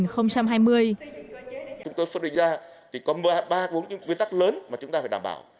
chúng tôi phân định ra thì có ba bốn nguyên tắc lớn mà chúng ta phải đảm bảo